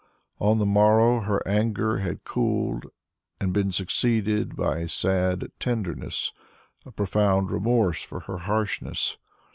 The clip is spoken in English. On the morrow her anger had cooled and been succeeded by a sad tenderness, a profound remorse for her harshness.